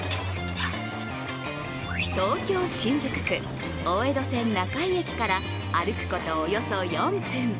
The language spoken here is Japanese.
東京・新宿区大江戸線・中井駅から歩くことおよそ４分。